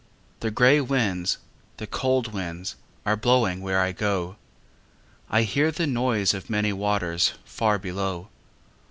The grey winds, the cold winds are blowing Where I go. I hear the noise of many waters Far below.